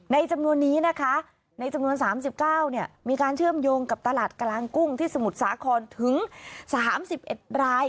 จำนวนนี้นะคะในจำนวน๓๙มีการเชื่อมโยงกับตลาดกลางกุ้งที่สมุทรสาครถึง๓๑ราย